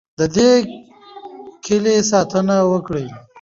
د دې کیلي ساتنه وکړئ.